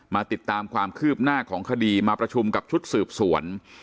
ติดตามความคืบหน้าของคดีมาประชุมกับชุดสืบสวน